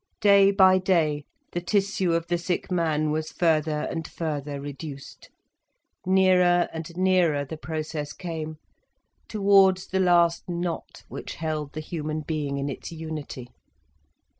Day by day the tissue of the sick man was further and further reduced, nearer and nearer the process came, towards the last knot which held the human being in its unity.